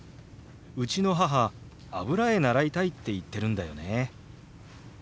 うちの母油絵習いたいって言ってるんだよね。